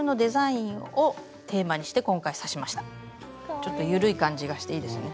ちょっと緩い感じがしていいですね。